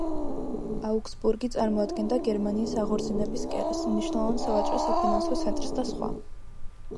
აუგსბურგი წარმოადგენდა გერმანიის აღორძინების კერას, მნიშვნელოვან სავაჭრო-საფინანსო ცენტრს და სხვა.